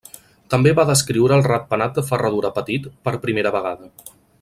També va descriure el Ratpenat de ferradura petit per primera vegada.